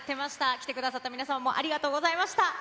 来てくださった皆さんもありがとうございました。